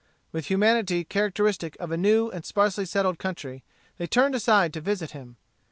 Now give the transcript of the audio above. With humanity characteristic of a new and sparsely settled country they turned aside to visit him.